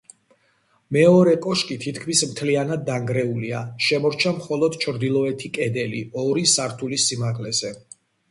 მეორე კოშკი თითქმის მთლიანად დანგრეულია, შემორჩა მხოლოდ ჩრდილოეთი კედელი ორი სართულის სიმაღლეზე.